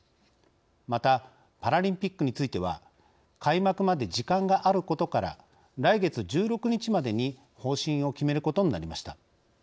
またパラリンピックについては開幕まで時間があることから来月１６日までに方針を決めることになりました。